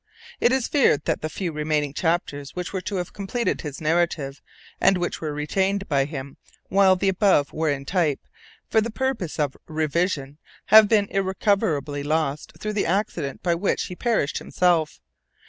It is feared that the few remaining chapters which were to have completed his narrative, and which were retained by him, while the above were in type, for the purpose of revision, have been irrecoverably lost through the accident by which he perished himself.